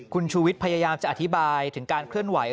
คุณชูวิทย์พยายามจะอธิบายถึงการเคลื่อนไหว